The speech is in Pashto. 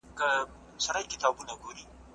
ایا څېړونکی باید د موضوع نوې سرچيني ومومي؟